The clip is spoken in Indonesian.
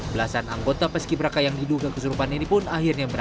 belasan anggota pas kiberaka yang diduga kesurupan ini pun akhirnya menjerit